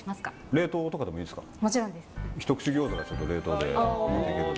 冷凍とかでもいいですか？